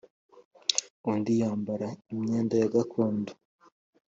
undi yambara imyenda yagakondo.